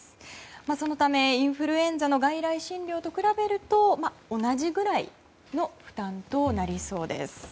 そのため、インフルエンザの外来診療と比べると同じくらいの負担となりそうです。